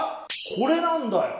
これなんだよ。